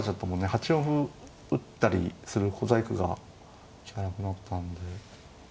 ８四歩打ったりする小細工が利かなくなったんで。